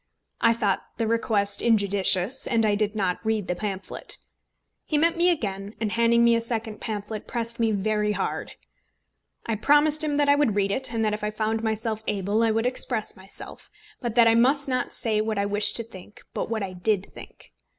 I thought the request injudicious, and I did not read the pamphlet. He met me again, and, handing me a second pamphlet, pressed me very hard. I promised him that I would read it, and that if I found myself able I would express myself; but that I must say not what I wished to think, but what I did think.